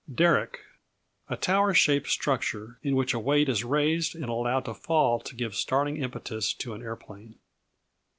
Derrick A tower shaped structure in which a weight is raised and allowed to fall to give starting impetus to an aeroplane.